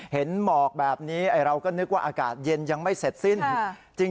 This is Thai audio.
หมอกแบบนี้เราก็นึกว่าอากาศเย็นยังไม่เสร็จสิ้น